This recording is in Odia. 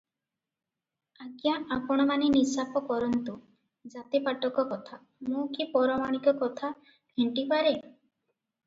ଆଜ୍ଞା, ଆପଣମାନେ ନିଶାପ କରନ୍ତୁ, ଜାତିପାଟକ କଥା, ମୁଁ କି ପରମାଣିକ କଥା ହେଣ୍ଟି ପାରେଁ?